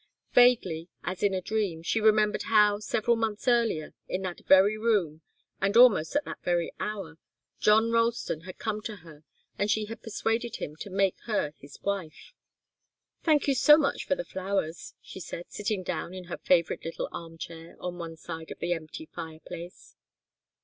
Vaguely, as in a dream, she remembered how, several months earlier, in that very room and almost at that very hour, John Ralston had come to her and she had persuaded him to make her his wife. "Thank you so much for the flowers," she said, sitting down in her favourite little arm chair on one side of the empty fireplace.